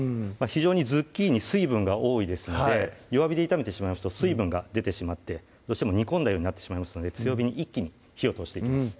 非常にズッキーニ水分が多いですので弱火で炒めてしまいますと水分が出てしまってどうしても煮込んだようになってしまいますので強火で一気に火を通していきます